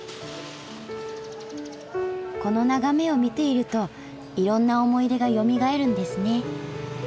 この眺めを見ているといろんな思い出がよみがえるんですね。